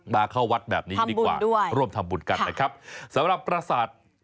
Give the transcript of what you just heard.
เข้าวัดแบบนี้ดีกว่าร่วมทำบุญกันนะครับสำหรับประสาท